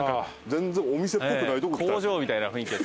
全然お店っぽくないとこ来た。